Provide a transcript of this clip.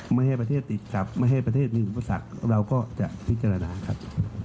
ไม่ให้ประเทศติดกลับไม่ให้ประเทศมีอุปสรรคเราก็จะพิจารณาครับ